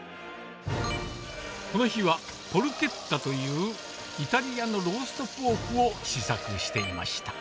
この日は、ポルケッタという、イタリアのローストポークを試作していました。